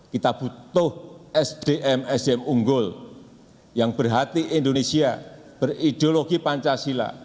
kita butuh sdm sdm unggul yang berhati indonesia berideologi pancasila